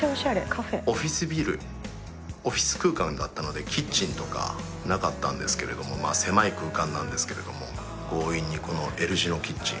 オフィスビルオフィス空間だったのでキッチンとかなかったんですけれども狭い空間なんですけれども強引にこのＬ字のキッチン。